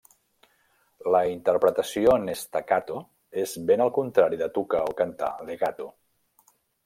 La interpretació en staccato és ben el contrari de tocar o cantar legato.